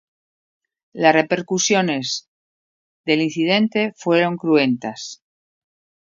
Las repercusiones del incidente fueron cruentas.